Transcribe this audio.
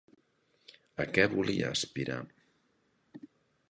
A què volia aspirar?